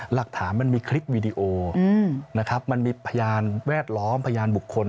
หลักฐานมันมีคลิปวีดีโอนะครับมันมีพยานแวดล้อมพยานบุคคล